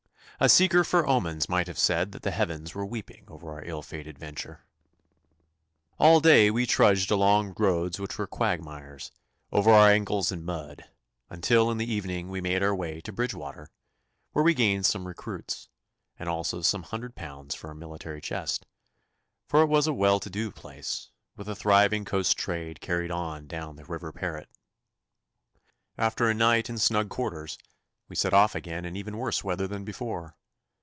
A seeker for omens might have said that the heavens were weeping over our ill fated venture. All day we trudged along roads which were quagmires, over our ankles in mud, until in the evening we made our way to Bridgewater, where we gained some recruits, and also some hundred pounds for our military chest, for it was a well to do place, with a thriving coast trade carried on down the River Parret. After a night in snug quarters we set off again in even worse weather than before.